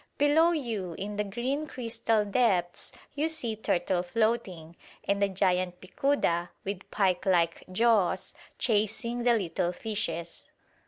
Below you in the green crystal depths you see turtle floating, and the giant picuda, with pike like jaws, chasing the little fishes.